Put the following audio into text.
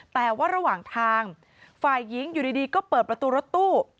แต่ว่าระหว่างทางฝ่ายหญิงอยู่ดีก็เปิดประตูรถตู้